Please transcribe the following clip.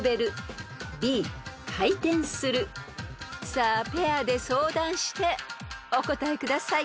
［さあペアで相談してお答えください］